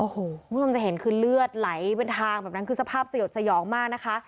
คุณผู้ชมจะเห็นคือเลือดไหลเป็นทางแบบนั้นคือสภาพสยดสยองมากนะคะ